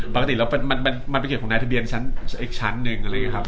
ปกติแล้วมันเป็นเกียรติของนายทะเบียนอีกชั้นหนึ่งอะไรอย่างนี้ครับ